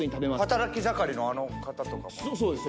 働き盛りのあの方とかもそうです